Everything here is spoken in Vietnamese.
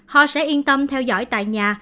họ sẽ yên tâm theo dõi tại nhà